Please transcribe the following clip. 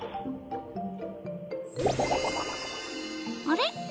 あれ？